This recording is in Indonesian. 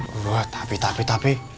udah tapi tapi tapi